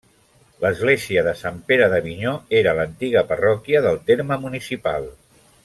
L'església de Sant Pere d'Avinyó era l'antiga parròquia del terme municipal.